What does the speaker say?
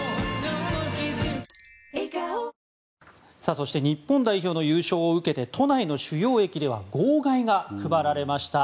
そして日本代表の優勝を受けて都内の主要駅では号外が配られました。